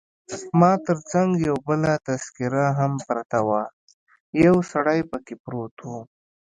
ما تر څنګ یو بله تذکیره هم پرته وه، یو سړی پکښې پروت وو.